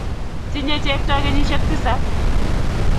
Tinyei chepto kenyisiek tisap.